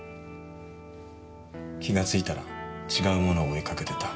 気がついたら違うものを追いかけてた。